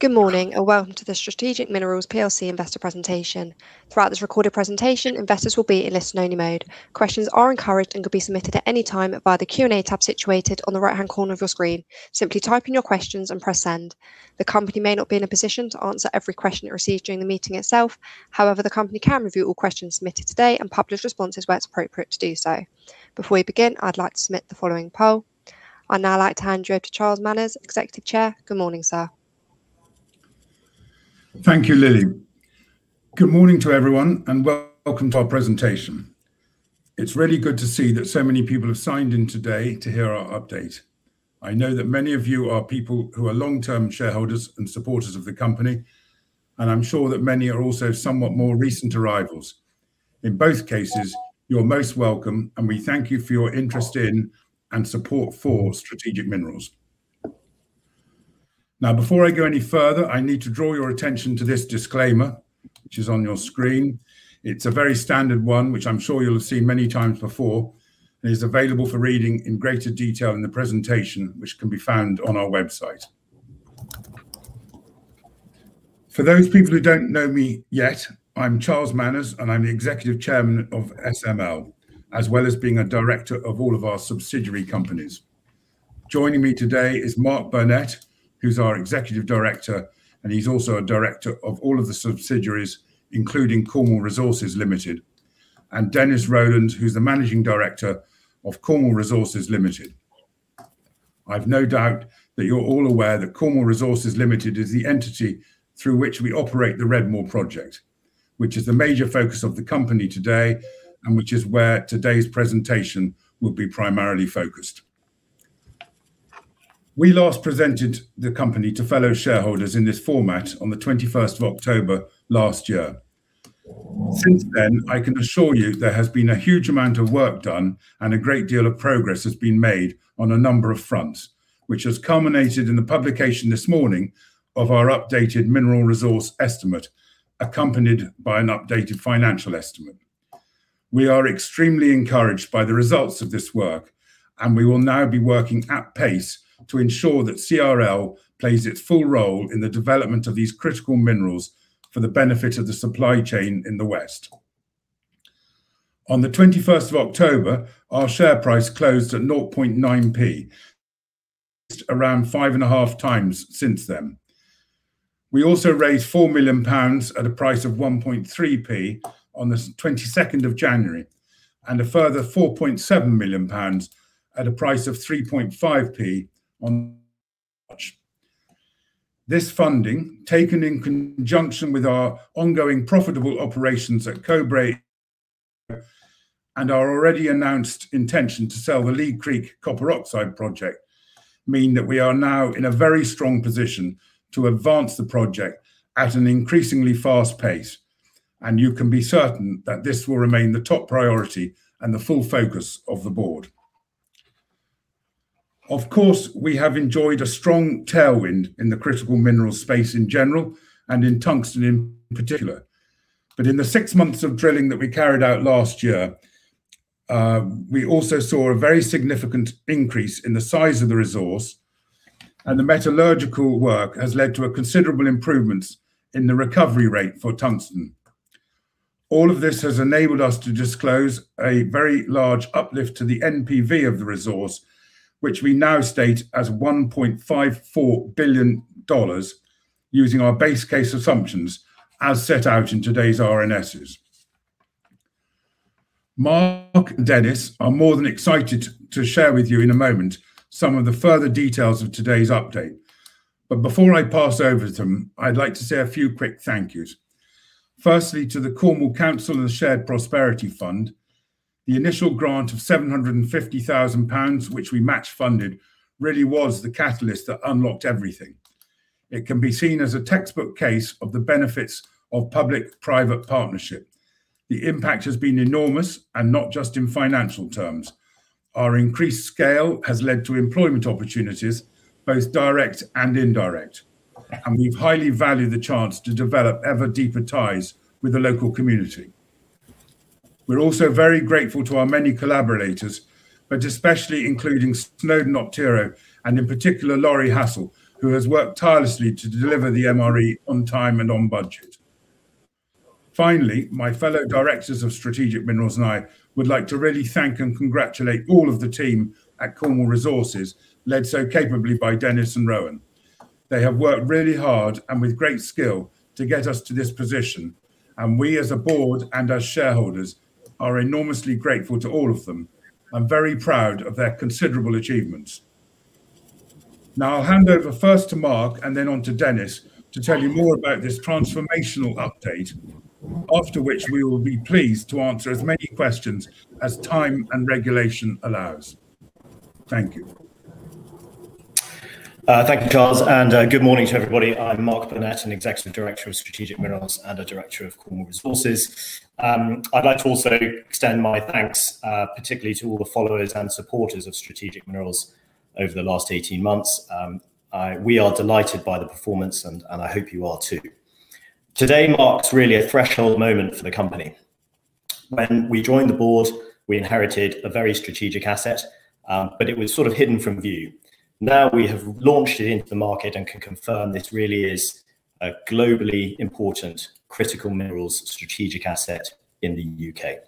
Good morning and welcome to the Strategic Minerals Plc Investor presentation. Throughout this recorded presentation, investors will be in listen only mode. Questions are encouraged and can be submitted at any time via the Q&A tab situated on the right-hand corner of your screen. Simply type in your questions and press Send. The company may not be in a position to answer every question it receives during the meeting itself. However, the company can review all questions submitted today and publish responses where it's appropriate to do so. Before we begin, I'd like to submit the following poll. I'd now like to hand you over to Charles Manners, Executive Chair. Good morning, sir. Thank you, Lily. Good morning to everyone, and welcome to our presentation. It's really good to see that so many people have signed in today to hear our update. I know that many of you are people who are long-term shareholders and supporters of the company, and I'm sure that many are also somewhat more recent arrivals. In both cases, you're most welcome, and we thank you for your interest in and support for Strategic Minerals. Now, before I go any further, I need to draw your attention to this disclaimer, which is on your screen. It's a very standard one, which I'm sure you'll have seen many times before. It is available for reading in greater detail in the presentation, which can be found on our website. For those people who don't know me yet, I'm Charles Manners, and I'm the Executive Chairman of SML, as well as being a director of all of our subsidiary companies. Joining me today is Mark Burnett, who's our Executive Director, and he's also a director of all of the subsidiaries, including Cornwall Resources Limited, and Dennis Rowland, who's the Managing Director of Cornwall Resources Limited. I have no doubt that you're all aware that Cornwall Resources Limited is the entity through which we operate the Redmoor Project, which is the major focus of the company today and which is where today's presentation will be primarily focused. We last presented the company to fellow shareholders in this format on the 21st of October last year. Since then, I can assure you there has been a huge amount of work done and a great deal of progress has been made on a number of fronts, which has culminated in the publication this morning of our updated mineral resource estimate, accompanied by an updated financial estimate. We are extremely encouraged by the results of this work, and we will now be working at pace to ensure that CRL plays its full role in the development of these critical minerals for the benefit of the supply chain in the West. On the 21st of October, our share price closed at 0.9p. It's around 5.5x since then. We also raised 4 million pounds at a price of 1.3p on the 22nd of January and a further 4.7 million pounds at a price of 3.5p on March. This funding, taken in conjunction with our ongoing profitable operations at Cobre and our already announced intention to sell the Leigh Creek copper oxide project, mean that we are now in a very strong position to advance the project at an increasingly fast pace, and you can be certain that this will remain the top priority and the full focus of the board. Of course, we have enjoyed a strong tailwind in the critical minerals space in general and in tungsten in particular. In the six months of drilling that we carried out last year, we also saw a very significant increase in the size of the resource, and the metallurgical work has led to a considerable improvement in the recovery rate for tungsten. All of this has enabled us to disclose a very large uplift to the NPV of the resource, which we now state as $1.54 billion using our base case assumptions as set out in today's RNSs. Mark and Dennis are more than excited to share with you in a moment some of the further details of today's update. Before I pass over to them, I'd like to say a few quick thank yous. Firstly, to the Cornwall Council and the Shared Prosperity Fund, the initial grant of 750,000 pounds, which we match funded, really was the catalyst that unlocked everything. It can be seen as a textbook case of the benefits of public-private partnership. The impact has been enormous and not just in financial terms. Our increased scale has led to employment opportunities, both direct and indirect, and we've highly valued the chance to develop ever deeper ties with the local community. We're also very grateful to our many collaborators, but especially including Snowden Optiro, and in particular, Laurie Hassall, who has worked tirelessly to deliver the MRE on time and on budget. Finally, my fellow directors of Strategic Minerals and I would like to really thank and congratulate all of the team at Cornwall Resources, led so capably by Dennis and Rowan. They have worked really hard and with great skill to get us to this position, and we as a board and as shareholders are enormously grateful to all of them and very proud of their considerable achievements. Now I'll hand over first to Mark and then on to Dennis to tell you more about this transformational update, after which we will be pleased to answer as many questions as time and regulation allows. Thank you. Thank you, Charles, and good morning to everybody. I'm Mark Burnett, an Executive Director of Strategic Minerals and a Director of Cornwall Resources. I'd like to also extend my thanks, particularly to all the followers and supporters of Strategic Minerals over the last 18 months. We are delighted by the performance, and I hope you are too. Today marks really a threshold moment for the company. When we joined the board, we inherited a very strategic asset, but it was sort of hidden from view. Now we have launched it into the market and can confirm this really is a globally important critical minerals strategic asset in the U.K.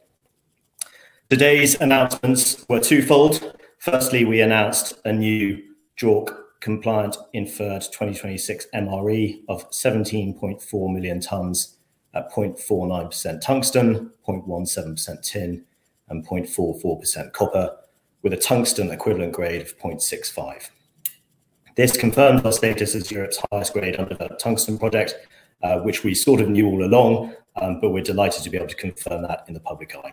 Today's announcements were twofold. Firstly, we announced a new JORC compliant inferred 2026 MRE of 17.4 Mt at 0.49% tungsten, 0.17% tin, and 0.44% copper, with a tungsten equivalent grade of 0.65. This confirmed our status as Europe's highest grade undeveloped tungsten project, which we sort of knew all along, but we're delighted to be able to confirm that in the public eye.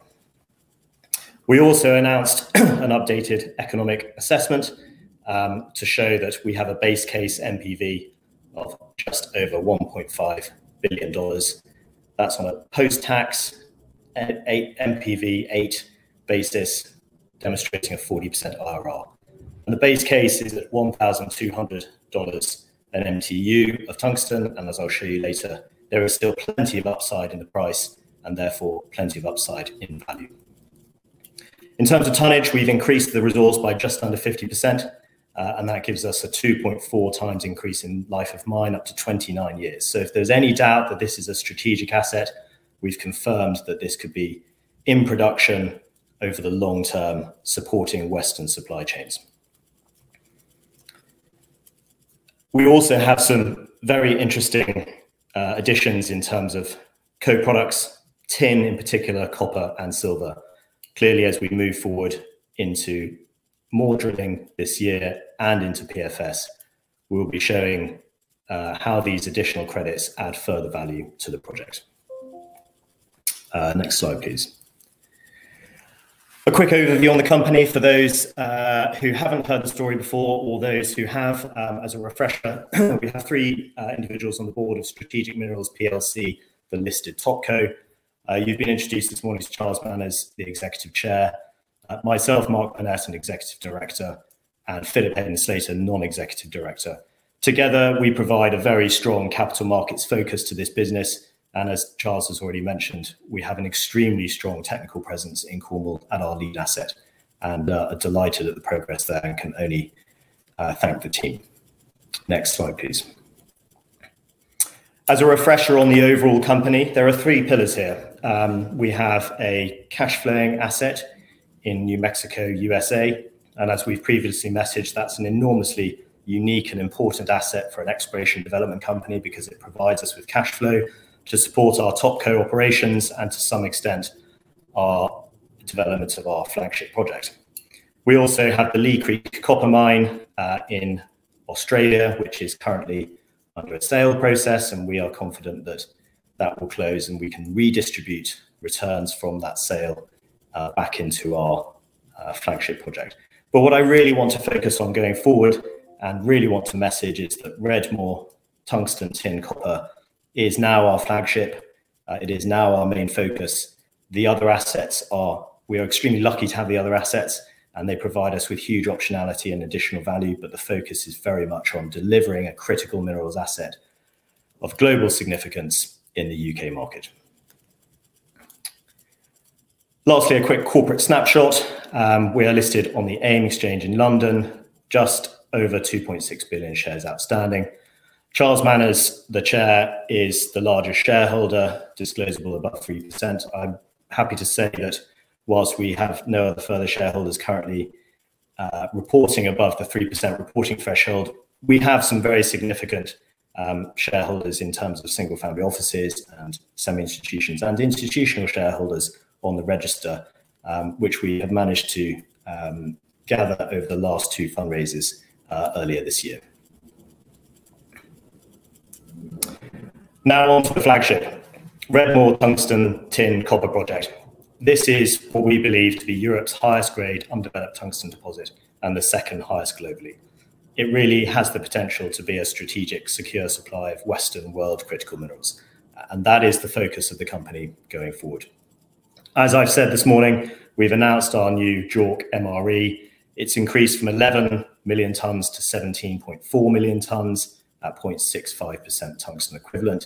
We also announced an updated economic assessment, to show that we have a base case NPV of just over $1.5 billion. That's on a post-tax NPV8 basis demonstrating a 40% IRR. The base case is at $1,200 an MTU of tungsten, and as I'll show you later, there is still plenty of upside in the price and therefore plenty of upside in value. In terms of tonnage, we've increased the resource by just under 50%, and that gives us a 2.4x increase in life of mine up to 29 years. If there's any doubt that this is a strategic asset, we've confirmed that this could be in production over the long term supporting Western supply chains. We also have some very interesting additions in terms of co-products, tin in particular, copper and silver. Clearly, as we move forward into more drilling this year and into PFS, we'll be showing how these additional credits add further value to the project. Next slide, please. A quick overview on the company for those who haven't heard the story before or those who have, as a refresher, we have three individuals on the board of Strategic Minerals Plc, the listed topco. You've been introduced this morning to Charles Manners, the Executive Chair, myself, Mark Burnett, an Executive Director, and Philip Haydn-Slater, Non-Executive Director. Together, we provide a very strong capital markets focus to this business, and as Charles has already mentioned, we have an extremely strong technical presence in Cornwall at our lead asset and are delighted at the progress there and can only thank the team. Next slide, please. As a refresher on the overall company, there are three pillars here. We have a cash flowing asset in New Mexico, U.S., and as we've previously messaged, that's an enormously unique and important asset for an exploration development company because it provides us with cash flow to support our topco operations and to some extent our development of our flagship project. We also have the Leigh Creek copper mine in Australia, which is currently under a sale process, and we are confident that that will close, and we can redistribute returns from that sale back into our flagship project. What I really want to focus on going forward and really want to message is that Redmoor tungsten, tin, copper is now our flagship. It is now our main focus. The other assets are... We are extremely lucky to have the other assets, and they provide us with huge optionality and additional value, but the focus is very much on delivering a critical minerals asset of global significance in the U.K. market. Lastly, a quick corporate snapshot. We are listed on the AIM exchange in London, just over 2.6 billion shares outstanding. Charles Manners, the chair, is the largest shareholder, disclosable above 3%. I'm happy to say that whilst we have no other further shareholders currently, reporting above the 3% reporting threshold, we have some very significant shareholders in terms of single-family offices and some institutions and institutional shareholders on the register, which we have managed to gather over the last two fundraisers earlier this year. Now on to the flagship, Redmoor tungsten, tin, copper project. This is what we believe to be Europe's highest grade undeveloped tungsten deposit and the second-highest globally. It really has the potential to be a strategic secure supply of Western world critical minerals, and that is the focus of the company going forward. As I've said this morning, we've announced our new JORC MRE. It's increased from 11 Mt-17.4 Mt at 0.65% tungsten equivalent.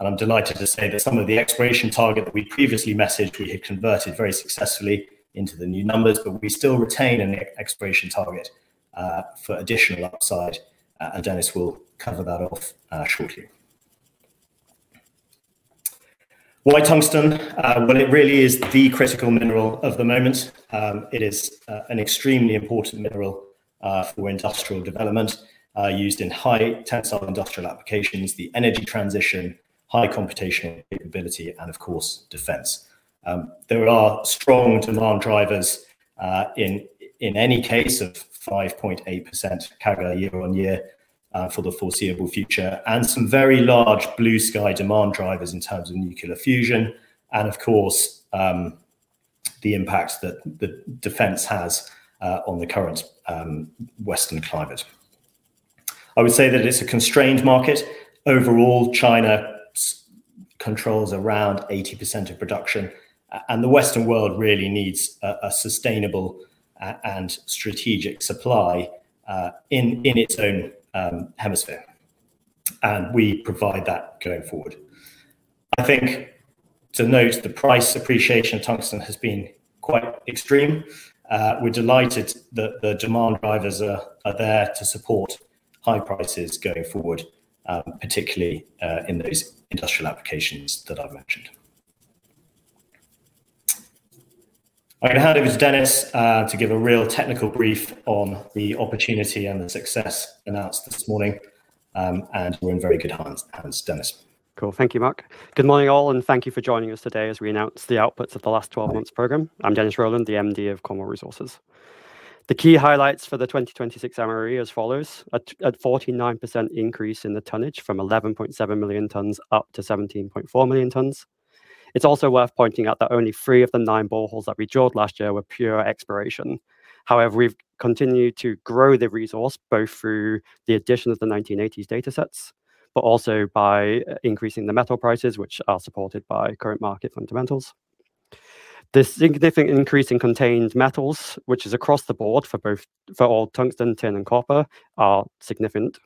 I'm delighted to say that some of the exploration target that we previously messaged, we had converted very successfully into the new numbers, but we still retain an exploration target for additional upside, and Dennis will cover that off shortly. Why tungsten? Well, it really is the critical mineral of the moment. It is an extremely important mineral for industrial development, used in high tensile industrial applications, the energy transition, high computational capability, and, of course, defense. There are strong demand drivers in any case of 5.8% CAGR year-on-year for the foreseeable future, and some very large blue sky demand drivers in terms of nuclear fusion and, of course, the impact that the defense has on the current Western climate. I would say that it's a constrained market. Overall, China controls around 80% of production, and the Western world really needs a sustainable and strategic supply in its own hemisphere. We provide that going forward. I think to note the price appreciation of tungsten has been quite extreme. We're delighted that the demand drivers are there to support high prices going forward, particularly in those industrial applications that I've mentioned. I'm going to hand over to Dennis to give a real technical brief on the opportunity and the success announced this morning, and we're in very good hands. Dennis. Cool. Thank you, Mark. Good morning all, and thank you for joining us today as we announce the outputs of the last 12 months program. I'm Dennis Rowland, the MD of Cornwall Resources. The key highlights for the 2026 MRE as follows, at 49% increase in the tonnage from 11.7 Mt up to 17.4 Mt. It's also worth pointing out that only three of the nine boreholes that we drilled last year were pure exploration. However, we've continued to grow the resource both through the addition of the 1980s datasets, but also by increasing the metal prices which are supported by current market fundamentals. The significant increase in contained metals, which is across the board for all tungsten, tin, and copper, are significant.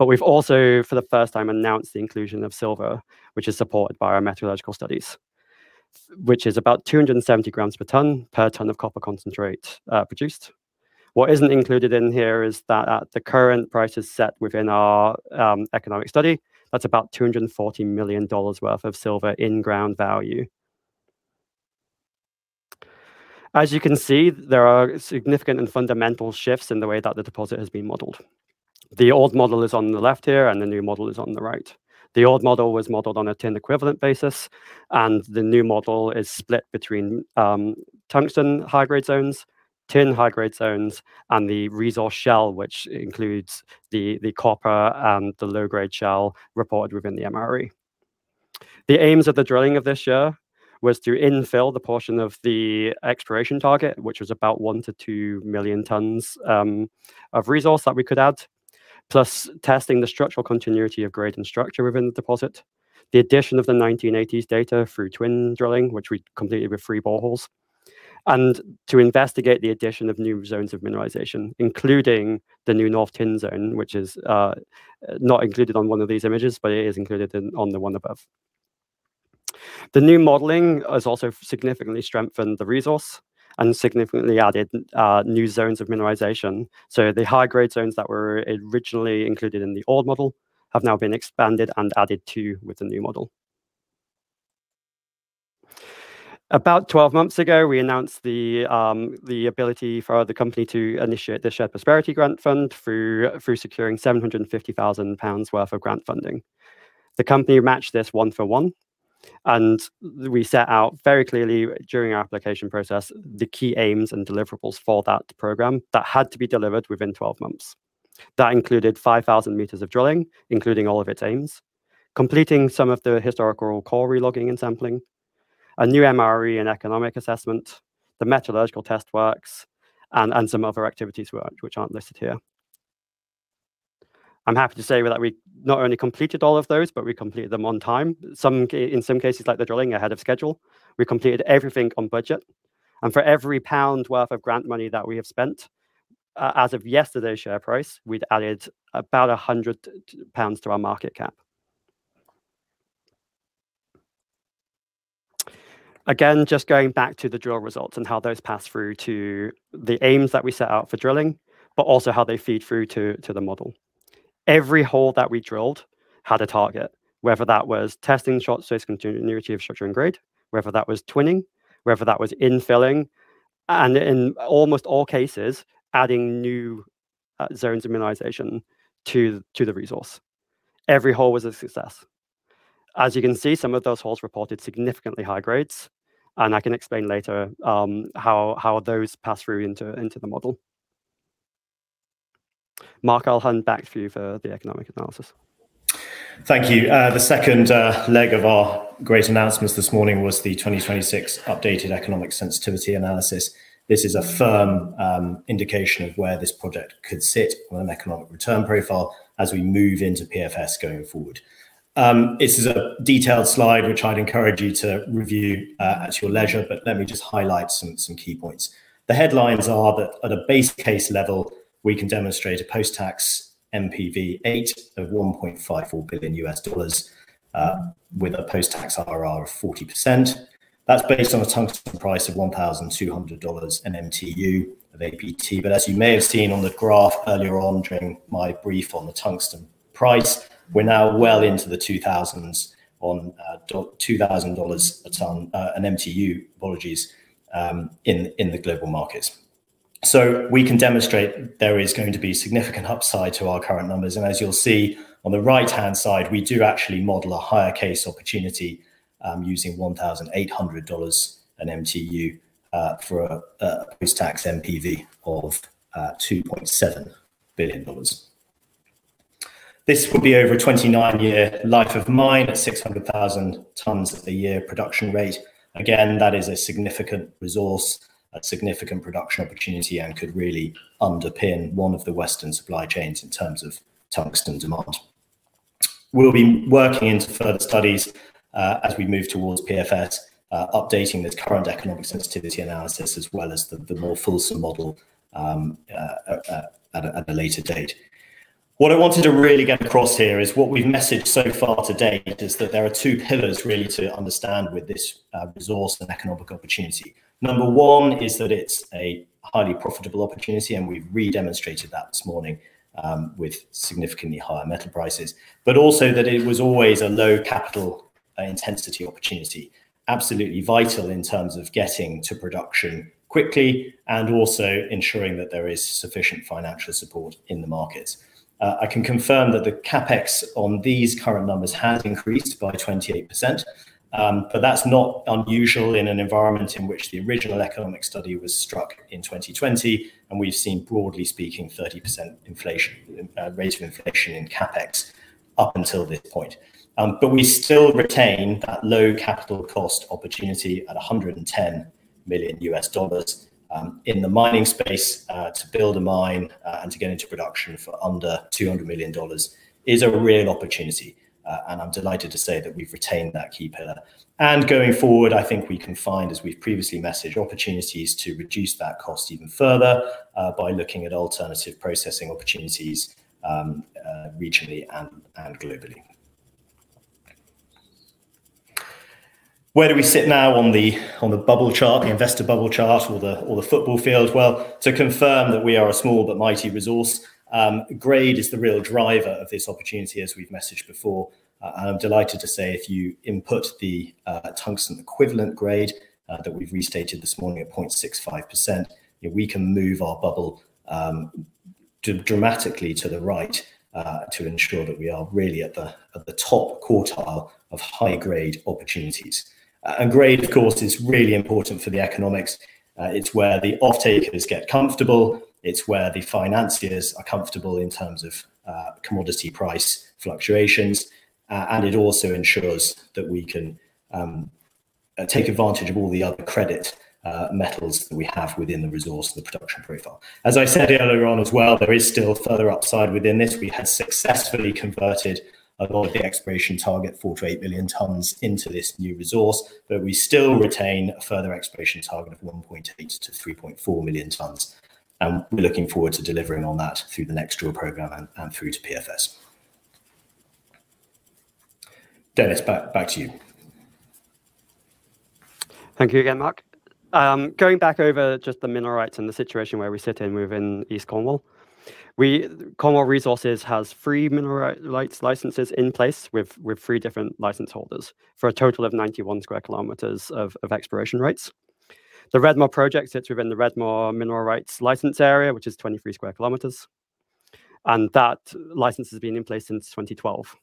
We've also, for the first time, announced the inclusion of silver, which is supported by our metallurgical studies, which is about 270 g/t, per ton of copper concentrate, produced. What isn't included in here is that at the current prices set within our economic study, that's about $240 million worth of silver in-ground value. As you can see, there are significant and fundamental shifts in the way that the deposit has been modeled. The old model is on the left here, and the new model is on the right. The old model was modeled on a tin-equivalent basis, and the new model is split between tungsten high-grade zones, tin high-grade zones, and the resource shell, which includes the copper and the low-grade shell reported within the MRE. The aims of the drilling of this year was to infill the portion of the exploration target, which was about 1-2 Mt of resource that we could add, plus testing the structural continuity of grade and structure within the deposit. The addition of the 1980s data through twin drilling, which we completed with three boreholes, and to investigate the addition of new zones of mineralization, including the new North Tin Zone, which is not included on one of these images, but it is included in on the one above. The new modeling has also significantly strengthened the resource and significantly added new zones of mineralization. The high-grade zones that were originally included in the old model have now been expanded and added to with the new model. About 12 months ago, we announced the ability for the company to initiate the UK Shared Prosperity Fund through securing 750,000 pounds worth of grant funding. The company matched this one for one, and we set out very clearly during our application process the key aims and deliverables for that program that had to be delivered within 12 months. That included 5,000 m of drilling, including all of its aims, completing some of the historical core re-logging and sampling, a new MRE and economic assessment, the metallurgical test works, and some other activities which aren't listed here. I'm happy to say that we not only completed all of those, but we completed them on time. In some cases, like the drilling, ahead of schedule. We completed everything on budget, and for every pound worth of grant money that we have spent, as of yesterday's share price, we'd added about 100 pounds to our market cap. Again, just going back to the drill results and how those pass through to the aims that we set out for drilling, but also how they feed through to the model. Every hole that we drilled had a target, whether that was testing short-space continuity of structure and grade, whether that was twinning, whether that was infilling, and in almost all cases, adding new zones of mineralization to the resource. Every hole was a success. As you can see, some of those holes reported significantly high grades, and I can explain later, how those pass through into the model. Mark, I'll hand back to you for the economic analysis. Thank you. The second leg of our great announcements this morning was the 2026 updated economic sensitivity analysis. This is a firm indication of where this project could sit on an economic return profile as we move into PFS going forward. This is a detailed slide, which I'd encourage you to review at your leisure, but let me just highlight some key points. The headlines are that at a base case level, we can demonstrate a post-tax NPV8 of $1.54 billion with a post-tax IRR of 40%. That's based on a tungsten price of $1,200 an MTU of APT. As you may have seen on the graph earlier on during my brief on the tungsten price, we're now well into the two thousands on $2000 a ton, an MTU, apologies, in the global markets. We can demonstrate there is going to be significant upside to our current numbers. As you'll see on the right-hand side, we do actually model a higher case opportunity, using $1800 an MTU, for a post-tax NPV of $2.7 billion. This will be over a 29-year life of mine at 600,000 ktpa production rate. Again, that is a significant resource, a significant production opportunity, and could really underpin one of the Western supply chains in terms of tungsten demand. We'll be working into further studies, as we move towards PFS, updating this current economic sensitivity analysis as well as the more fulsome model, at a later date. What I wanted to really get across here is what we've messaged so far today is that there are two pillars really to understand with this resource and economic opportunity. Number one is that it's a highly profitable opportunity, and we've redemonstrated that this morning, with significantly higher metal prices. Also that it was always a low capital intensity opportunity. Absolutely vital in terms of getting to production quickly and also ensuring that there is sufficient financial support in the market. I can confirm that the CapEx on these current numbers has increased by 28%. That's not unusual in an environment in which the original economic study was struck in 2020, and we've seen, broadly speaking, 30% inflation rate in CapEx up until this point. We still retain that low capital cost opportunity at $110 million. In the mining space, to build a mine, and to get into production for under $200 million is a real opportunity. I'm delighted to say that we've retained that key pillar. Going forward, I think we can find, as we've previously messaged, opportunities to reduce that cost even further, by looking at alternative processing opportunities, regionally and globally. Where do we sit now on the bubble chart, the investor bubble chart or the football field? Well, to confirm that we are a small but mighty resource, grade is the real driver of this opportunity, as we've messaged before. I'm delighted to say, if you input the tungsten equivalent grade that we've restated this morning at 0.65%, we can move our bubble dramatically to the right to ensure that we are really at the top quartile of high-grade opportunities. Grade, of course, is really important for the economics. It's where the offtakers get comfortable. It's where the financiers are comfortable in terms of commodity price fluctuations. It also ensures that we can take advantage of all the other credit metals that we have within the resource and the production profile. As I said earlier on as well, there is still further upside within this. We had successfully converted a lot of the exploration target, 4-8 Mt, into this new resource, but we still retain a further exploration target of 1.8-3.4 Mt. We're looking forward to delivering on that through the next drill program and through to PFS. Dennis, back to you. Thank you again, Mark. Going back over just the mineral rights and the situation where we sit within East Cornwall. Cornwall Resources has three mineral rights licenses in place with three different license holders for a total of 91 sq km of exploration rights. The Redmoor Project sits within the Redmoor mineral rights license area, which is 23 sq km, and that license has been in place since 2012.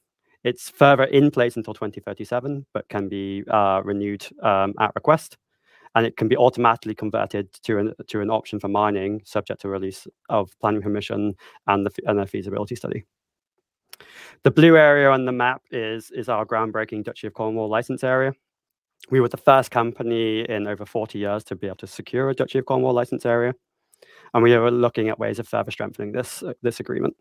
It's further in place until 2037 but can be renewed at request. It can be automatically converted to an option for mining subject to release of planning permission and a feasibility study. The blue area on the map is our groundbreaking Duchy of Cornwall license area. We were the first company in over 40 years to be able to secure a Duchy of Cornwall license area, and we are looking at ways of further strengthening this agreement.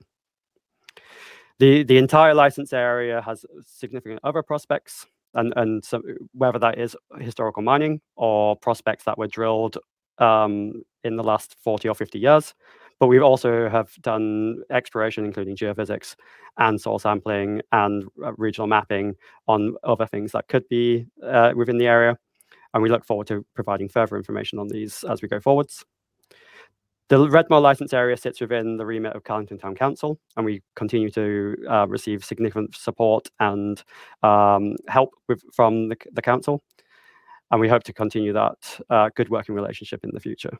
The entire license area has significant other prospects and so whether that is historical mining or prospects that were drilled in the last 40 or 50 years. We also have done exploration, including geophysics and soil sampling and regional mapping on other things that could be within the area, and we look forward to providing further information on these as we go forwards. The Redmoor license area sits within the remit of Callington Town Council, and we continue to receive significant support and help from the council, and we hope to continue that good working relationship in the future.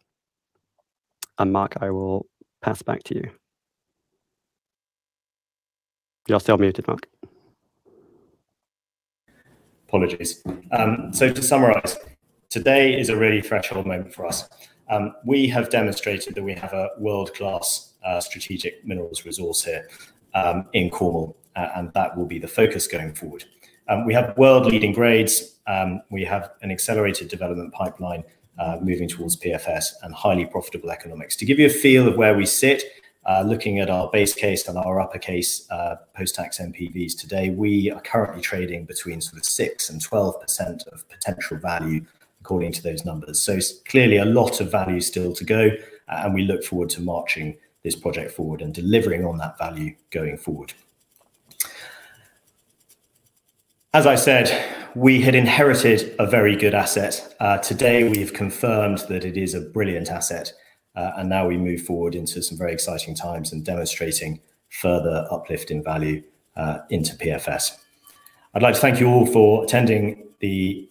Mark, I will pass back to you. You're still muted, Mark. Apologies. To summarize, today is a really threshold moment for us. We have demonstrated that we have a world-class, strategic minerals resource here, in Cornwall, and that will be the focus going forward. We have world-leading grades. We have an accelerated development pipeline, moving towards PFS and highly profitable economics. To give you a feel of where we sit, looking at our base case and our upper case, post-tax NPVs today, we are currently trading between sort of 6%-12% of potential value according to those numbers. Clearly a lot of value still to go, and we look forward to marching this project forward and delivering on that value going forward. As I said, we had inherited a very good asset. Today we've confirmed that it is a brilliant asset, and now we move forward into some very exciting times in demonstrating further uplift in value into PFS. I'd like to thank you all for attending the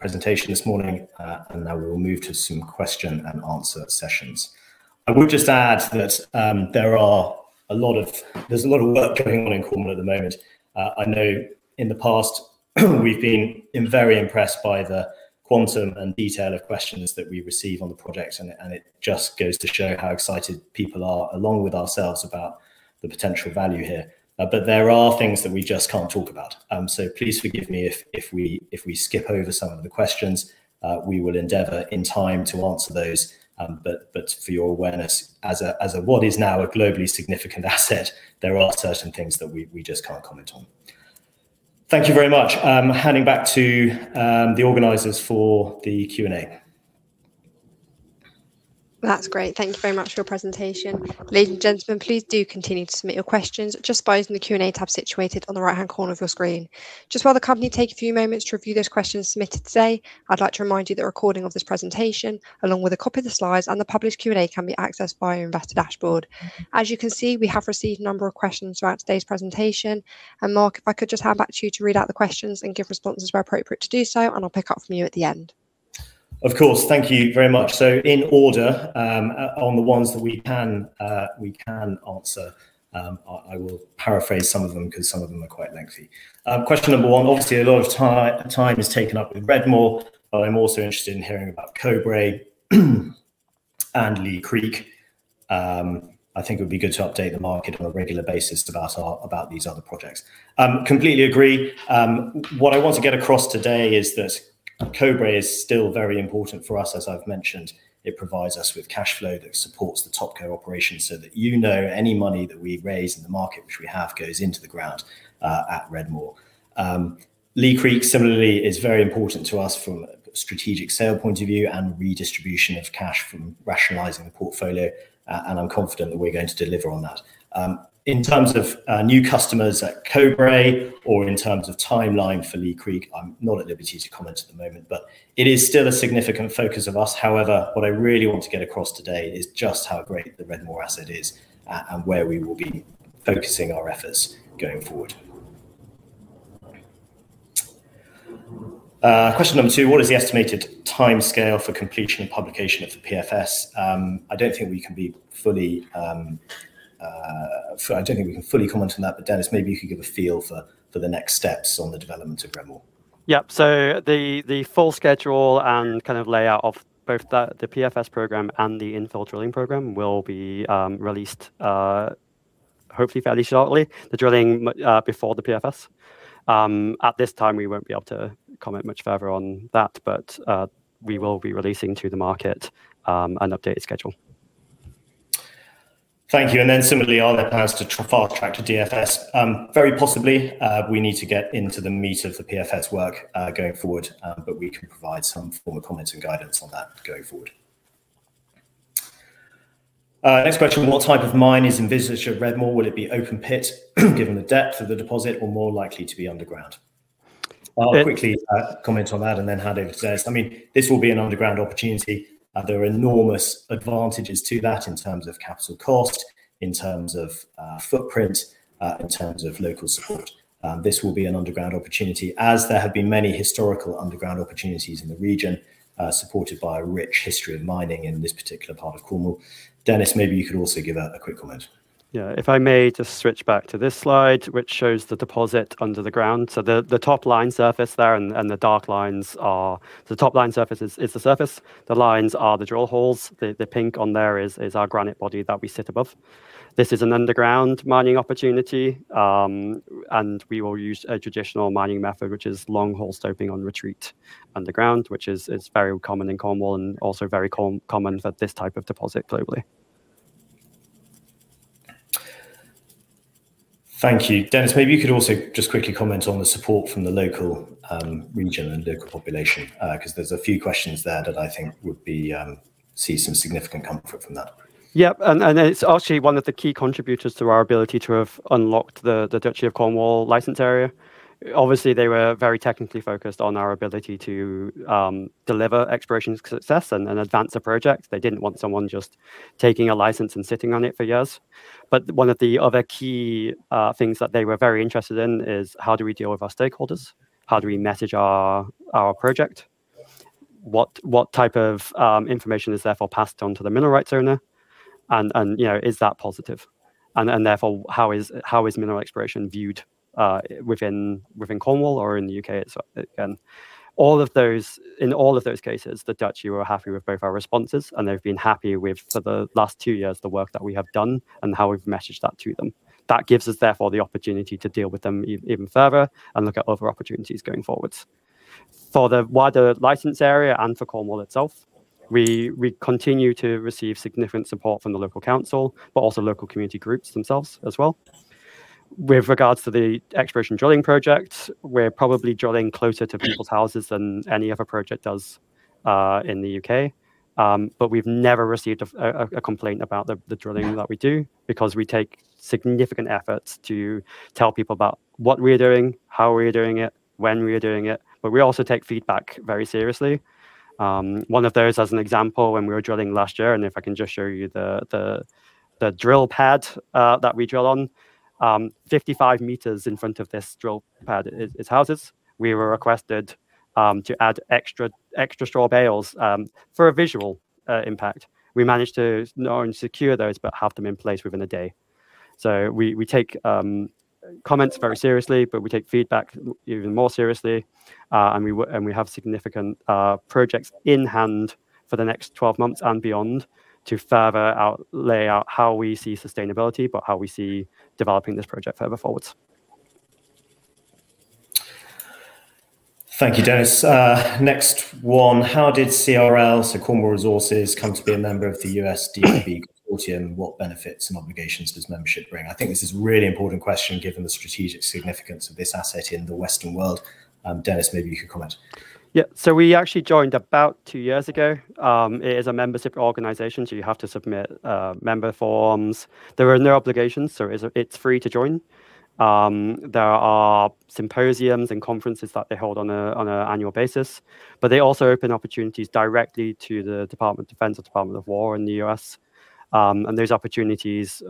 presentation this morning, and now we will move to some question and answer sessions. I would just add that there's a lot of work going on in Cornwall at the moment. I know in the past we've been very impressed by the quantum and detail of questions that we receive on the project and it just goes to show how excited people are, along with ourselves, about the potential value here. But there are things that we just can't talk about. So please forgive me if we skip over some of the questions. We will endeavor in time to answer those, but for your awareness, as a what is now a globally significant asset, there are certain things that we just can't comment on. Thank you very much. I'm handing back to the organizers for the Q&A. That's great. Thank you very much for your presentation. Ladies and gentlemen, please do continue to submit your questions just by using the Q&A tab situated on the right-hand corner of your screen. Just while the company take a few moments to review those questions submitted today, I'd like to remind you that a recording of this presentation, along with a copy of the slides and the published Q&A, can be accessed via your investor dashboard. As you can see, we have received a number of questions throughout today's presentation, and Mark, if I could just hand back to you to read out the questions and give responses where appropriate to do so, and I'll pick up from you at the end. Of course. Thank you very much. In order, on the ones that we can, we can answer, I will paraphrase some of them because some of them are quite lengthy. Question number one, obviously a lot of time is taken up with Redmoor, but I'm also interested in hearing about Cobre and Leigh Creek. I think it would be good to update the market on a regular basis about these other projects. Completely agree. What I want to get across today is that Cobre is still very important for us, as I've mentioned. It provides us with cash flow that supports the topco operation so that you know any money that we raise in the market, which we have, goes into the ground, at Redmoor. Leigh Creek similarly is very important to us from a strategic sale point of view and redistribution of cash from rationalizing the portfolio. I'm confident that we're going to deliver on that. In terms of new customers at Cobre or in terms of timeline for Leigh Creek, I'm not at liberty to comment at the moment, but it is still a significant focus of us. However, what I really want to get across today is just how great the Redmoor asset is and where we will be focusing our efforts going forward. Question number two, what is the estimated timescale for completion and publication of the PFS? I don't think we can fully comment on that. Dennis, maybe you could give a feel for the next steps on the development of Redmoor. Yep. The full schedule and kind of layout of both the PFS program and the infill drilling program will be released, hopefully fairly shortly. The drilling before the PFS. At this time, we won't be able to comment much further on that, but we will be releasing to the market an updated schedule. Thank you. Similarly, are there plans to fast-track to DFS? Very possibly. We need to get into the meat of the PFS work going forward, but we can provide some form of comments and guidance on that going forward. Next question. What type of mine is envisaged at Redmoor? Will it be open pit given the depth of the deposit or more likely to be underground? I'll quickly comment on that and then hand over to Dennis. I mean, this will be an underground opportunity. There are enormous advantages to that in terms of capital cost, in terms of footprint, in terms of local support. This will be an underground opportunity, as there have been many historical underground opportunities in the region, supported by a rich history of mining in this particular part of Cornwall. Dennis, maybe you could also give a quick comment. Yeah. If I may just switch back to this slide, which shows the deposit under the ground. The top line surface there is the surface, and the dark lines are the drill holes. The pink on there is our granite body that we sit above. This is an underground mining opportunity, and we will use a traditional mining method, which is longhole stoping on retreat underground, which is very common in Cornwall and also very common for this type of deposit globally. Thank you. Dennis, maybe you could also just quickly comment on the support from the local region and local population, 'cause there's a few questions there that I think would see some significant comfort from that. Yep. It's actually one of the key contributors to our ability to have unlocked the Duchy of Cornwall license area. Obviously, they were very technically focused on our ability to deliver exploration success and advance the project. They didn't want someone just taking a license and sitting on it for years. One of the other key things that they were very interested in is how do we deal with our stakeholders? How do we message our project? What type of information is therefore passed on to the mineral rights owner? You know, is that positive? Therefore, how is mineral exploration viewed within Cornwall or in the U.K. itself? All of those. In all of those cases, the Duchy were happy with both our responses, and they've been happy with, for the last two years, the work that we have done and how we've messaged that to them. That gives us therefore the opportunity to deal with them even further and look at other opportunities going forward. For the wider license area and for Cornwall itself, we continue to receive significant support from the local council but also local community groups themselves as well. With regards to the exploration drilling project, we're probably drilling closer to people's houses than any other project does, in the U.K. But we've never received a complaint about the drilling that we do because we take significant efforts to tell people about what we're doing, how we're doing it, when we are doing it, but we also take feedback very seriously. One of those as an example when we were drilling last year. If I can just show you the drill pad that we drill on, 55 m in front of this drill pad is houses. We were requested to add extra straw bales for a visual impact. We managed to not only secure those but have them in place within a day. We take comments very seriously, but we take feedback even more seriously. We have significant projects in hand for the next 12 months and beyond to further lay out how we see sustainability, but how we see developing this project further forward. Thank you, Dennis. Next one. How did CRL, so Cornwall Resources, come to be a member of the US DPA Title III Consortium? What benefits and obligations does membership bring? I think this is a really important question given the strategic significance of this asset in the Western world. Dennis, maybe you could comment. Yeah. We actually joined about two years ago. It is a membership organization, so you have to submit member forms. There are no obligations, so it's free to join. There are symposiums and conferences that they hold on an annual basis. They also open opportunities directly to the Department of Defense or Department of War in the U.S. Those opportunities,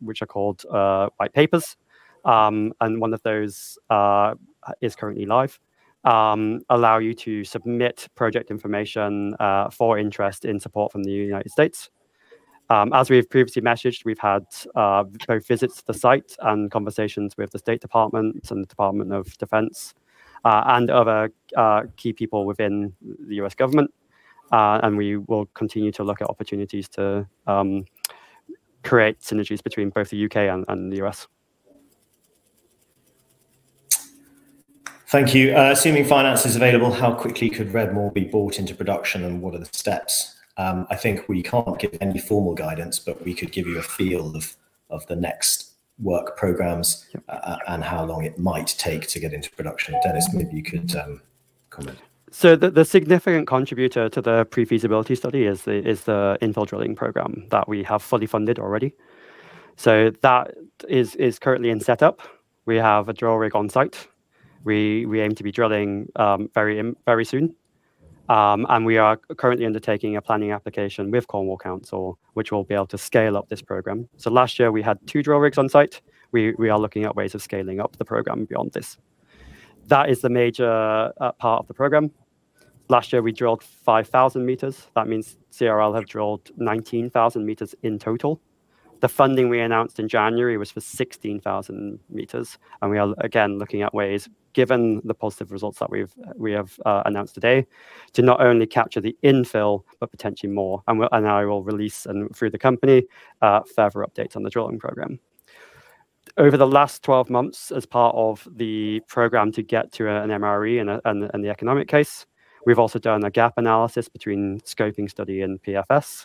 which are called white papers, and one of those is currently live, allow you to submit project information for interest in support from the United States. As we have previously messaged, we've had both visits to the site and conversations with the State Department and the Department of Defense, and other key people within the U.S. government. We will continue to look at opportunities to create synergies between both the U.K. and the U.S. Thank you. Assuming finance is available, how quickly could Redmoor be brought into production, and what are the steps? I think we can't give any formal guidance, but we could give you a feel of the next work programs and how long it might take to get into production. Dennis, maybe you could comment. The significant contributor to the pre-feasibility study is the infill drilling program that we have fully funded already. That is currently in setup. We have a drill rig on site. We aim to be drilling very very soon. And we are currently undertaking a planning application with Cornwall Council, which will be able to scale up this program. Last year, we had two drill rigs on site. We are looking at ways of scaling up the program beyond this. That is the major part of the program. Last year, we drilled 5,000 m. That means CRL have drilled 19,000 m in total. The funding we announced in January was for 16,000 m, and we are again looking at ways, given the positive results that we have announced today, to not only capture the infill, but potentially more. I will release through the company further updates on the drilling program. Over the last 12 months as part of the program to get to an MRE and the economic case, we've also done a gap analysis between scoping study and PFS,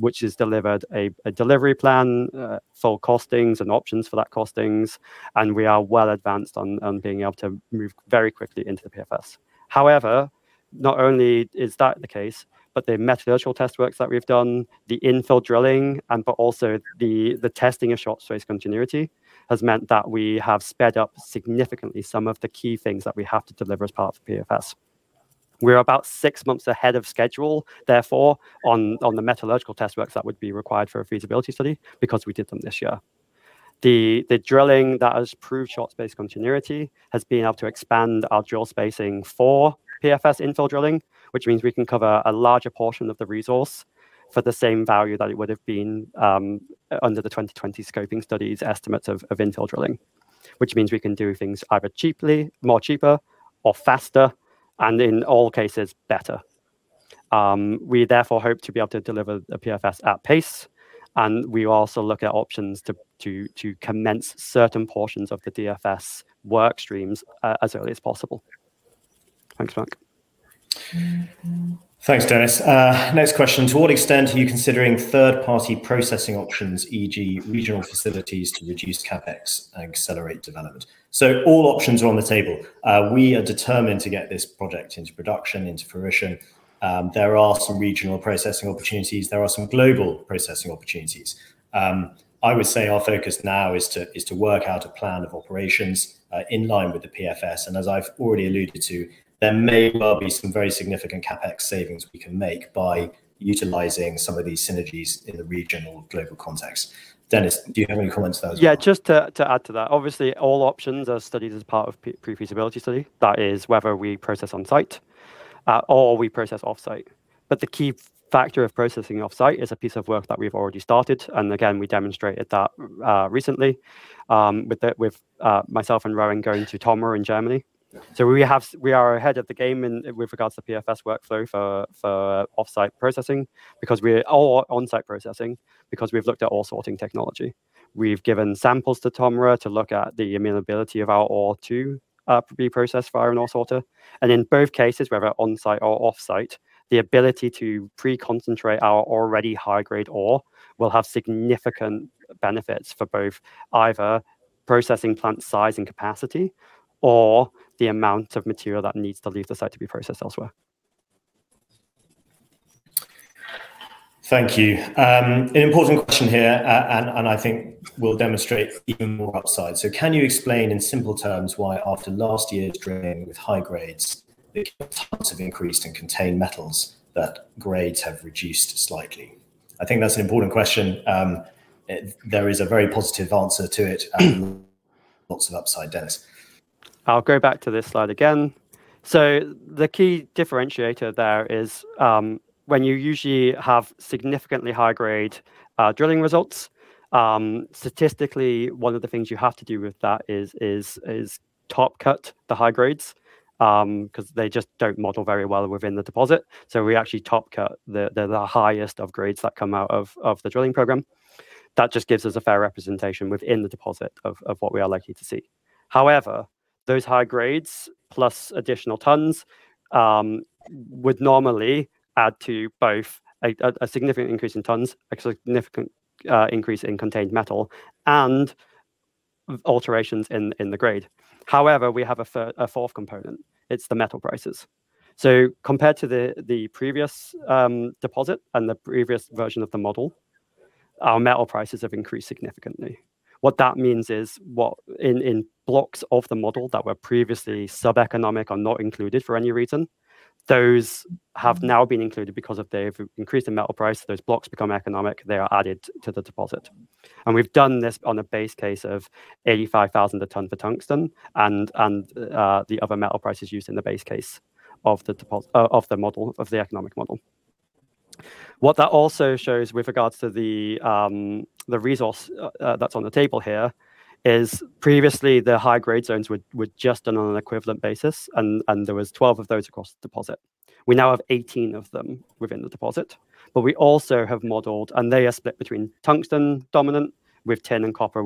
which has delivered a delivery plan, full costings and options for that costings, and we are well advanced on being able to move very quickly into the PFS. However, not only is that the case, but the metallurgical test works that we've done, the infill drilling, but also the testing of short space continuity has meant that we have sped up significantly some of the key things that we have to deliver as part of the PFS. We're about six months ahead of schedule, therefore, on the metallurgical test works that would be required for a feasibility study because we did them this year. The drilling that has proved short space continuity has been able to expand our drill spacing for PFS infill drilling, which means we can cover a larger portion of the resource for the same value that it would have been under the 2020 scoping studies estimates of infill drilling. Which means we can do things either cheaply, more cheaper or faster, and in all cases, better. We therefore hope to be able to deliver the PFS at pace, and we also look at options to commence certain portions of the DFS work streams as early as possible. Thanks, Mark. Thanks, Dennis. Next question. To what extent are you considering third-party processing options, e.g., regional facilities to reduce CapEx and accelerate development? All options are on the table. We are determined to get this project into production, into fruition. There are some regional processing opportunities. There are some global processing opportunities. I would say our focus now is to work out a plan of operations in line with the PFS. As I've already alluded to, there may well be some very significant CapEx savings we can make by utilizing some of these synergies in the regional or global context. Dennis, do you have any comments to that as well? Yeah, just to add to that. Obviously, all options are studied as part of pre-feasibility study. That is whether we process on-site or we process off-site. The key factor of processing off-site is a piece of work that we've already started. Again, we demonstrated that recently with myself and Rowan going to TOMRA in Germany. We are ahead of the game with regards to PFS workflow for off-site processing or on-site processing because we've looked at ore sorting technology. We've given samples to TOMRA to look at the amenability of our ore to be processed via an ore sorter. In both cases, whether on-site or off-site, the ability to pre-concentrate our already high-grade ore will have significant benefits for both either processing plant size and capacity or the amount of material that needs to leave the site to be processed elsewhere. Thank you. An important question here, and I think will demonstrate even more upside. Can you explain in simple terms why after last year's drilling with high grades, the tons have increased and contained metals but grades have reduced slightly? I think that's an important question. There is a very positive answer to it and lots of upside, Dennis. I'll go back to this slide again. The key differentiator there is, when you usually have significantly high-grade drilling results, statistically, one of the things you have to do with that is top cut the high grades, 'cause they just don't model very well within the deposit. We actually top cut the highest of grades that come out of the drilling program. That just gives us a fair representation within the deposit of what we are likely to see. However, those high grades plus additional tons would normally add to both a significant increase in tons, a significant increase in contained metal, and alterations in the grade. However, we have a fourth component, it's the metal prices. Compared to the previous deposit and the previous version of the model, our metal prices have increased significantly. What that means is in blocks of the model that were previously sub-economic are not included for any reason, those have now been included because of the increase in metal price, those blocks become economic, they are added to the deposit. We've done this on a base case of $85,000 a ton for tungsten and the other metal prices used in the base case of the model, of the economic model. What that also shows with regards to the resource that's on the table here is previously the high grade zones were just done on an equivalent basis and there was 12 of those across the deposit. We now have 18 of them within the deposit, but we also have modeled, and they are split between tungsten dominant with tin and copper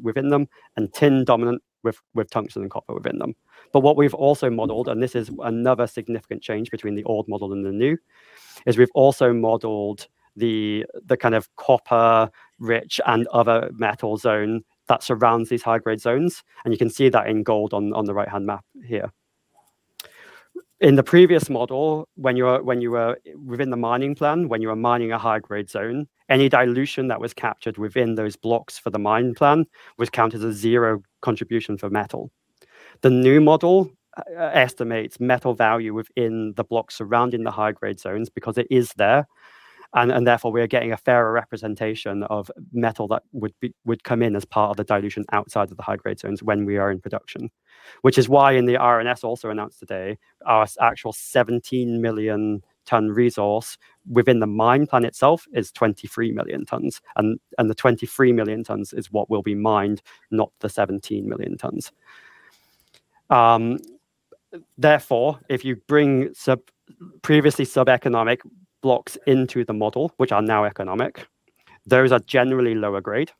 within them and tin dominant with tungsten and copper within them. What we've also modeled, and this is another significant change between the old model and the new, is we've also modeled the kind of copper rich and other metal zone that surrounds these high grade zones, and you can see that in gold on the right-hand map here. In the previous model, when you were within the mining plan, when you are mining a high grade zone, any dilution that was captured within those blocks for the mine plan was counted as zero contribution for metal. The new model estimates metal value within the blocks surrounding the high-grade zones because it is there, and therefore we are getting a fairer representation of metal that would come in as part of the dilution outside of the high-grade zones when we are in production. Which is why in the RNS also announced today, our actual 17 Mt resource within the mine plan itself is 23 Mt, and the 23 Mt is what will be mined, not the 17 Mt. Therefore, if you bring previously sub-economic blocks into the model, which are now economic, those are generally lower grade.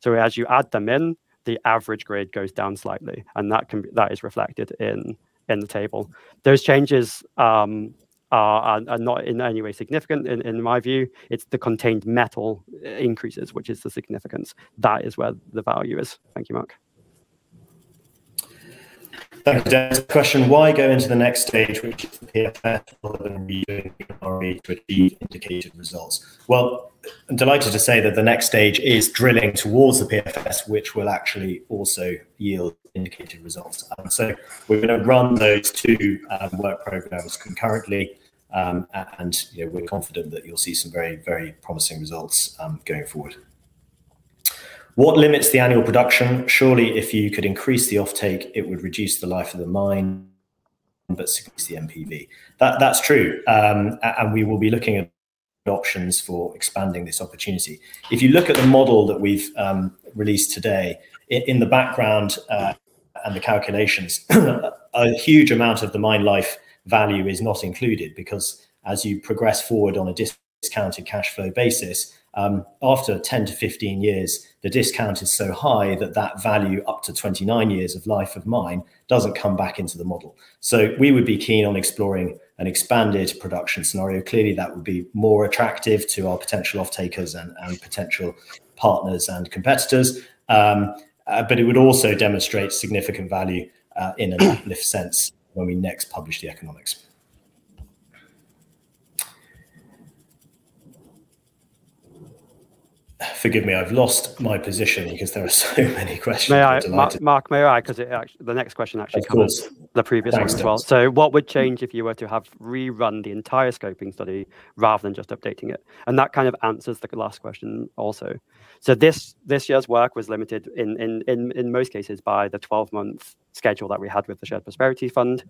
So as you add them in, the average grade goes down slightly, and that is reflected in the table. Those changes are not in any way significant in my view. It's the contained metal increases which is the significance. That is where the value is. Thank you, Mark. Thank you. Dennis question, why go into the next stage which is the PFS rather than redoing the PEA indicated results? Well, I'm delighted to say that the next stage is drilling towards the PFS which will actually also yield indicated results. We're gonna run those two work programs concurrently, and you know, we're confident that you'll see some very promising results going forward. What limits the annual production? Surely if you could increase the offtake it would reduce the life of the mine but increase the NPV. That's true. We will be looking at options for expanding this opportunity. If you look at the model that we've released today, in the background, and the calculations, a huge amount of the mine life value is not included because as you progress forward on a discounted cash flow basis, after 10-15 years the discount is so high that that value up to 29 years of life of mine doesn't come back into the model. We would be keen on exploring an expanded production scenario. Clearly that would be more attractive to our potential off-takers and potential partners and competitors. But it would also demonstrate significant value in a lift sense when we next publish the economics. Forgive me, I've lost my position because there are so many questions. I'm delighted- May I, Mark, may I? 'Cause the next question actually covers. Of course. the previous one as well. Thanks. What would change if you were to have rerun the entire scoping study rather than just updating it? That kind of answers the last question also. This year's work was limited in most cases by the 12-month schedule that we had with the Shared Prosperity Fund.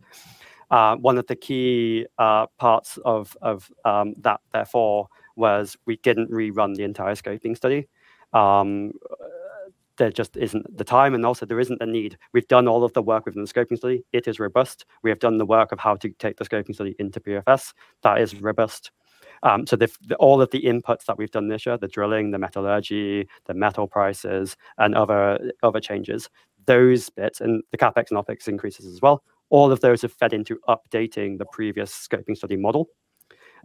One of the key parts of that therefore was we didn't rerun the entire scoping study. There just isn't the time and also there isn't the need. We've done all of the work within the scoping study. It is robust. We have done the work of how to take the scoping study into PFS. That is robust. All of the inputs that we've done this year, the drilling, the metallurgy, the metal prices and other changes, those bits and the CapEx and OpEx increases as well, all of those have fed into updating the previous scoping study model.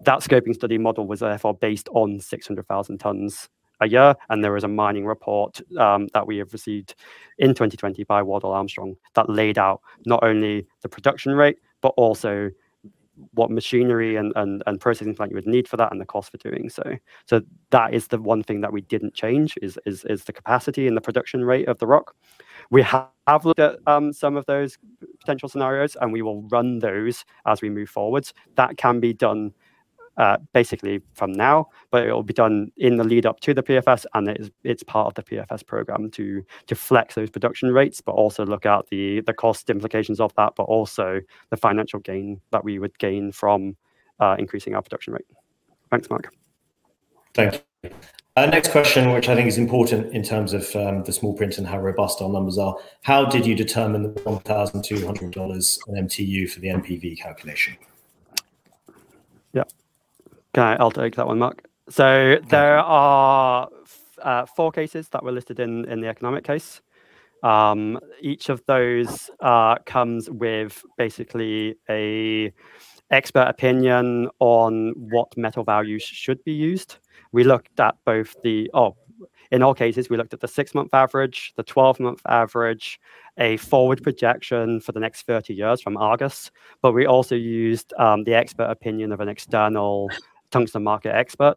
That scoping study model was therefore based on 600,000 ktpa and there was a mining report that we have received in 2020 by Wardell Armstrong that laid out not only the production rate but also what machinery and processing plant you would need for that and the cost for doing so. That is the one thing that we didn't change is the capacity and the production rate of the rock. We have looked at some of those potential scenarios and we will run those as we move forwards. That can be done basically from now, but it will be done in the lead up to the PFS and it's part of the PFS program to flex those production rates but also look at the cost implications of that, but also the financial gain that we would gain from increasing our production rate. Thanks, Mark. Thank you. Next question which I think is important in terms of the small print and how robust our numbers are. How did you determine the $1,200 MTU for the NPV calculation? I'll take that one, Mark. There are four cases that were listed in the economic case. Each of those comes with basically an expert opinion on what metal value should be used. In all cases, we looked at the six month average, the 12-month average, a forward projection for the next 30 years from Argus. We also used the expert opinion of an external tungsten market expert.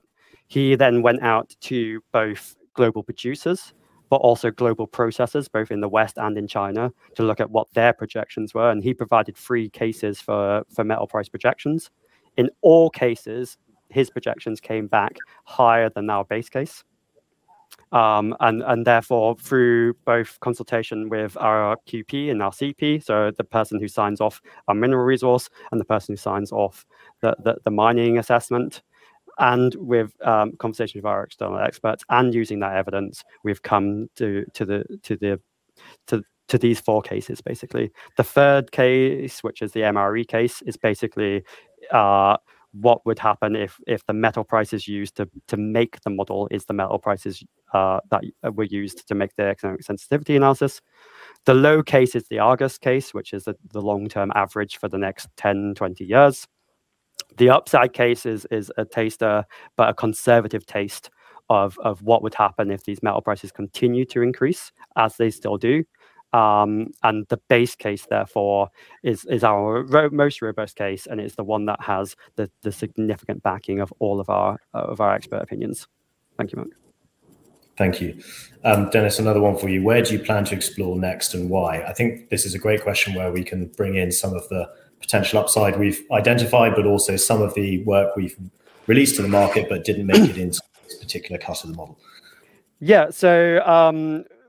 He then went out to both global producers, but also global processors, both in the West and in China, to look at what their projections were, and he provided three cases for metal price projections. In all cases, his projections came back higher than our base case. Therefore, through both consultation with our QP and our CP, so the person who signs off our mineral resource and the person who signs off the mining assessment, and with conversation with our external experts and using that evidence, we've come to these four cases, basically. The third case, which is the MRE case, is basically what would happen if the metal prices used to make the model is the metal prices that were used to make the economic sensitivity analysis. The low case is the Argus case, which is the long-term average for the next 10-20 years. The upside case is a taster, but a conservative taste of what would happen if these metal prices continue to increase as they still do. The base case, therefore, is our most robust case, and it's the one that has the significant backing of all of our expert opinions. Thank you, Mark. Thank you. Dennis, another one for you. Where do you plan to explore next and why? I think this is a great question where we can bring in some of the potential upside we've identified, but also some of the work we've released to the market but didn't make it in this particular case of the model.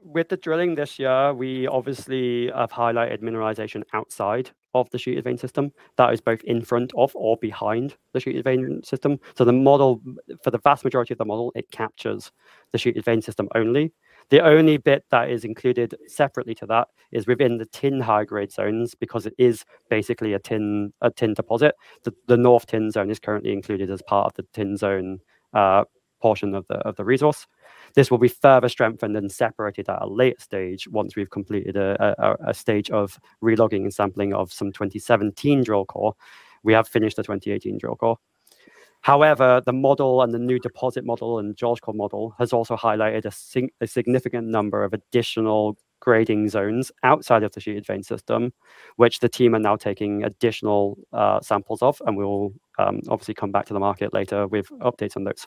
With the drilling this year, we obviously have highlighted mineralization outside of the sheeted vein system that is both in front of or behind the sheeted vein system. The model, for the vast majority of the model, it captures the sheeted vein system only. The only bit that is included separately to that is within the tin high-grade zones because it is basically a tin deposit. The North Tin Zone is currently included as part of the Tin Zone portion of the resource. This will be further strengthened and separated at a later stage once we've completed a stage of re-logging and sampling of some 2017 drill core. We have finished the 2018 drill core. However, the model and the new deposit model and the geological model has also highlighted a significant number of additional grading zones outside of the sheeted vein system, which the team are now taking additional samples of, and we will obviously come back to the market later with updates on those.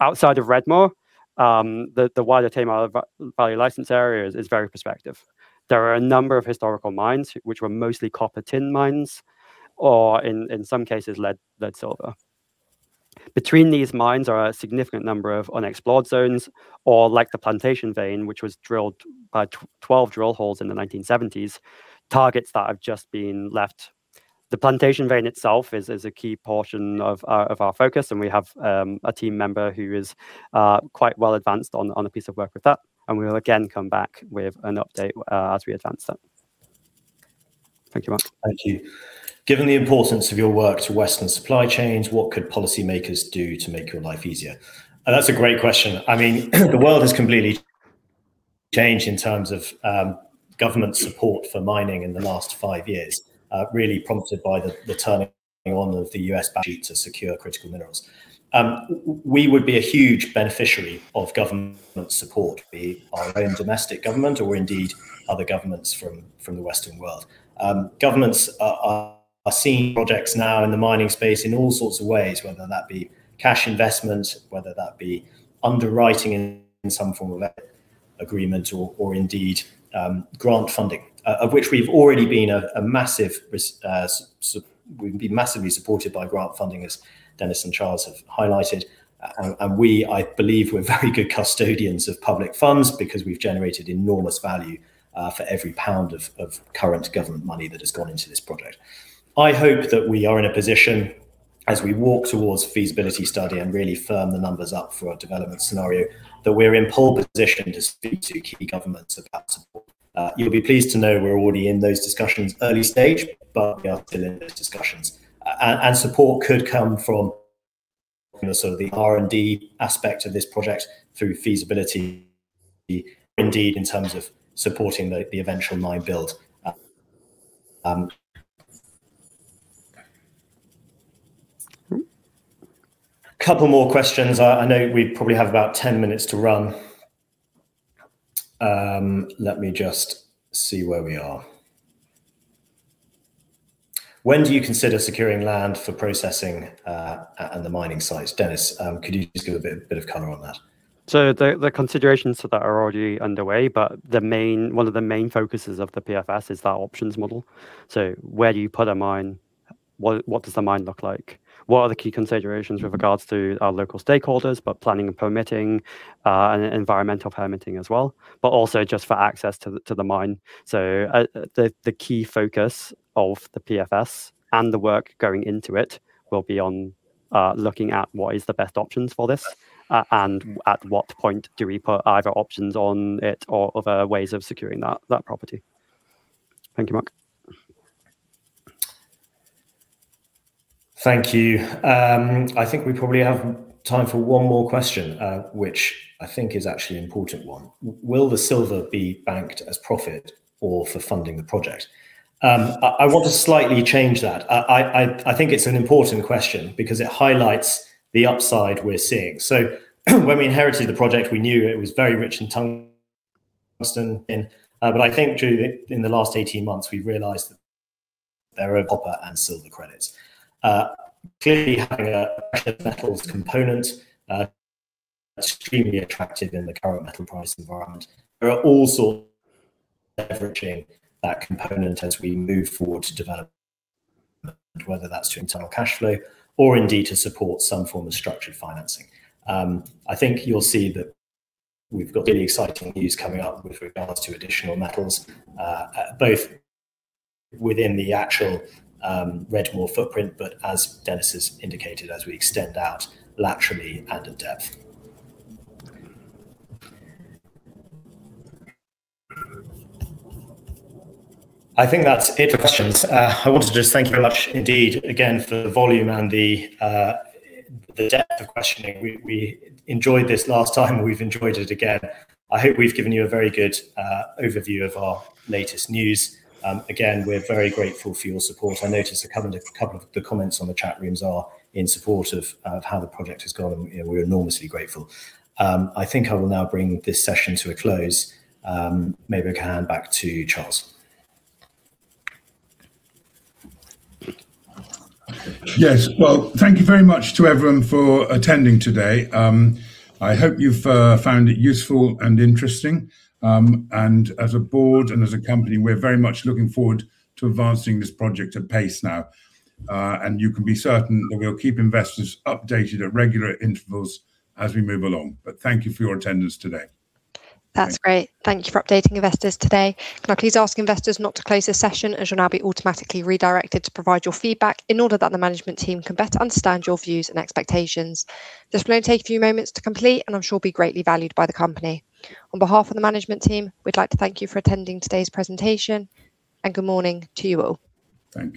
Outside of Redmoor, the wider Tamar Valley license area is very prospective. There are a number of historical mines which were mostly copper tin mines or in some cases, lead silver. Between these mines are a significant number of unexplored zones or like the Plantation vein, which was drilled by 12 drill holes in the 1970s, targets that have just been left. The Plantation vein itself is a key portion of our focus, and we have a team member who is quite well advanced on a piece of work with that, and we will again come back with an update as we advance that. Thank you, Mark. Thank you. Given the importance of your work to Western supply chains, what could policymakers do to make your life easier? That's a great question. I mean, the world has completely changed in terms of government support for mining in the last five years, really prompted by the turning on of the U.S. budget to secure critical minerals. We would be a huge beneficiary of government support, be our own domestic government or indeed other governments from the Western world. Governments are seeing projects now in the mining space in all sorts of ways, whether that be cash investment, whether that be underwriting in some form of agreement or indeed grant funding, of which we've already been massively supported by grant funding, as Dennis and Charles have highlighted. We, I believe, are very good custodians of public funds because we've generated enormous value for every pound of current government money that has gone into this project. I hope that we are in a position as we walk towards feasibility study and really firm the numbers up for our development scenario, that we're in pole position to speak to key governments about support. You'll be pleased to know we're already in those discussions early stage, but we are still in those discussions. Support could come from the R&D aspect of this project through feasibility indeed in terms of supporting the eventual mine build. Couple more questions. I know we probably have about 10 minutes to run. Let me just see where we are. When do you consider securing land for processing and the mining sites? Dennis, could you just give a bit of color on that? The considerations for that are already underway, but one of the main focuses of the PFS is that options model. Where do you put a mine? What does the mine look like? What are the key considerations with regards to our local stakeholders, planning and permitting, and environmental permitting as well, but also just for access to the mine. The key focus of the PFS and the work going into it will be on looking at what is the best options for this, and at what point do we put either options on it or other ways of securing that property. Thank you, Mark. Thank you. I think we probably have time for one more question, which I think is actually an important one. Will the silver be banked as profit or for funding the project? I think it's an important question because it highlights the upside we're seeing. When we inherited the project, we knew it was very rich in tungsten. But I think in the last 18 months, we realized that there are copper and silver credits. Clearly having a precious metals component, extremely attractive in the current metal price environment. There are all sorts of leveraging that component as we move forward to development, whether that's through internal cash flow or indeed to support some form of structured financing. I think you'll see that we've got really exciting news coming up with regards to additional metals, both within the actual Redmoor footprint, but as Dennis has indicated, as we extend out laterally and in-depth. I think that's it for questions. I want to just thank you very much indeed again for the volume and the depth of questioning. We enjoyed this last time and we've enjoyed it again. I hope we've given you a very good overview of our latest news. Again, we're very grateful for your support. I noticed a couple of the comments on the chat rooms are in support of how the project has gone. You know, we're enormously grateful. I think I will now bring this session to a close. Maybe I can hand back to Charles. Yes. Well, thank you very much to everyone for attending today. I hope you've found it useful and interesting. As a board and as a company, we're very much looking forward to advancing this project at pace now. You can be certain that we'll keep investors updated at regular intervals as we move along. Thank you for your attendance today. That's great. Thank you for updating investors today. Can I please ask investors not to close this session, as you'll now be automatically redirected to provide your feedback in order that the management team can better understand your views and expectations. This will only take a few moments to complete, and I'm sure will be greatly valued by the company. On behalf of the management team, we'd like to thank you for attending today's presentation, and good morning to you all. Thanks.